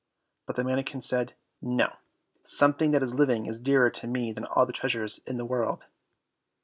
But the manikin said, "No, something that is living is dearer to me than all the treasures in the world."